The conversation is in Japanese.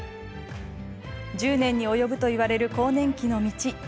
１０年に及ぶといわれる更年期の道。